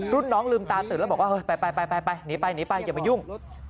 รุ่นน้องลืมตาตื่นแล้วบอกว่าเฮ้ยไปหนีไปหนีไปอย่ามายุ่ง